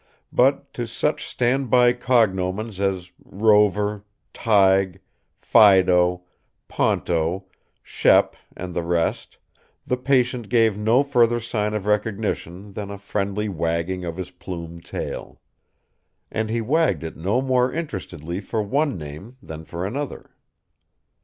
But, to such stand by cognomens as Rover, Tige, Fido, Ponto, Shep and the rest, the patient gave no further sign of recognition than a friendly wagging of his plumed tail. And he wagged it no more interestedly for one name than for another.